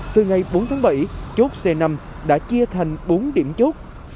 từ ngày bốn tháng bảy chốt c năm đã chia thành bốn điểm chốt